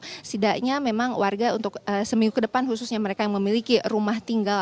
jadi tidaknya memang warga untuk seminggu ke depan khususnya mereka yang memiliki rumah tinggal